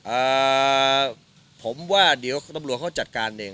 อ่าผมว่าเดี๋ยวตำรวจเขาจัดการเอง